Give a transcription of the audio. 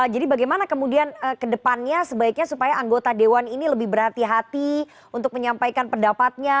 jadi bagaimana ke depannya sebaiknya supaya anggota dewan ini lebih berhati hati untuk menyampaikan pendapatnya